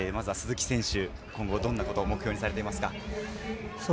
鈴木選手、今後どんなことを目標にされて行きますか？